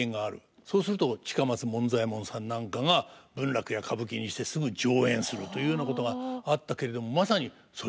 そうすると近松門左衛門さんなんかが文楽や歌舞伎にしてすぐ上演するというようなことがあったけれどもまさにそれと一緒ですよね。